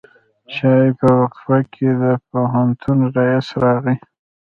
د چای په وقفه کې د پوهنتون رئیس راغی.